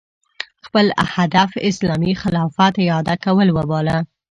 خپل هدف اسلامي خلافت اعاده کول وباله